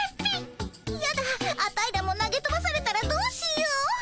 やだアタイらも投げとばされたらどうしよう。